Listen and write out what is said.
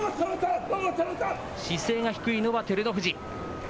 姿勢が低いのは照ノ富士。